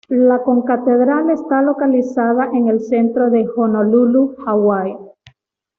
La concatedral está localizada en en el centro de Honolulu, Hawái.